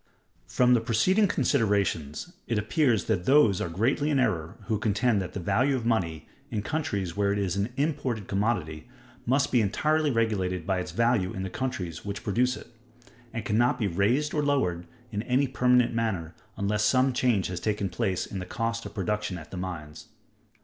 _ From the preceding considerations, it appears that those are greatly in error who contend that the value of money, in countries where it is an imported commodity, must be entirely regulated by its value in the countries which produce it; and can not be raised or lowered in any permanent manner unless some change has taken place in the cost of production at the mines.